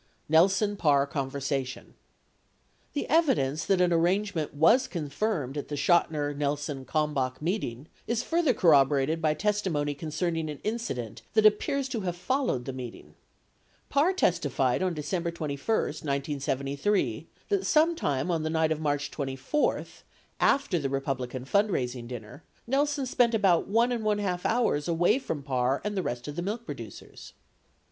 NELSON PARR CONVERSATION The evidence that an arrangement was confirmed at the Chotiner Nelson Kalmbach meeting is further corroborated by testimony con cerning an incident that appears to have followed the meeting. Parr testified on December 21, 1973, that sometime on the night of March 24, after the Republican fundraising dinner, Nelson spent about 1 y 2 hours away from Parr and the rest of the milk producers.